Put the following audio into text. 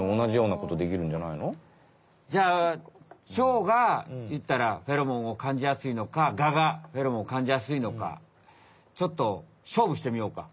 オスメスでじゃあチョウがいったらフェロモンを感じやすいのかガがフェロモンを感じやすいのかちょっと勝負してみようか！